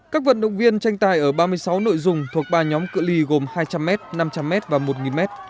các vận động viên tranh tài ở ba mươi sáu nội dung thuộc ba nhóm cự ly gồm hai trăm linh m năm trăm linh m và một m